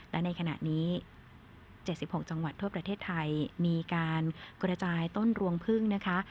และในขณะนี้๗๖จังหวัดทั่วประเทศไทยมีการกระจายต้นรวงพึ่งนะคะ